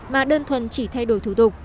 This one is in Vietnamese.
mà đơn thuần chỉ thay đổi thủ tục